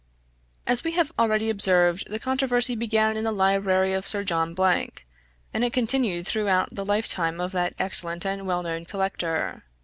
As we have already observed, the controversy began in the library of Sir John Blank, and it continued throughout the life time of that excellent and well known collector.